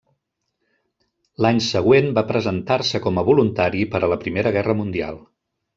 L'any següent va presentar-se com a voluntari per a la primera guerra mundial.